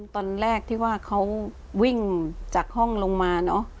ตอนแรกที่ว่าเขาวิ่งจากห้องลงมาเนอะ